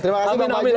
terima kasih bang fajro